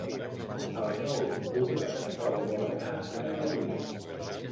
El nou d'octubre na Sol vol anar a Llaurí.